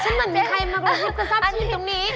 ฉันเหมือนมีใครมากระทุกกระทับชิ้นตรงนี้